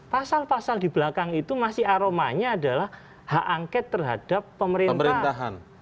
pasal pasal di belakang itu masih aromanya adalah hak angket terhadap pemerintahan